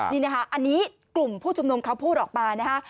นี่นะครับอันนี้กลุ่มผู้จุดมนุมเขาพูดออกมา